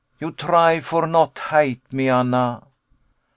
] You try for not hate me, Anna.